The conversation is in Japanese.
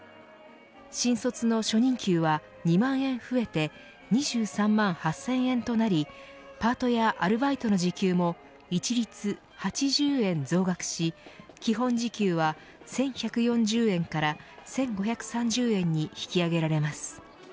新卒の初任給は２万円増えて２３万８０００円となりパートやアルバイトの時給も一律８０円増額し基本時給は１１４０円から１５３０円に引き上げられます。